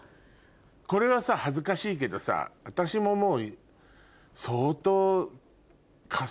これは恥ずかしいけどさ私ももう。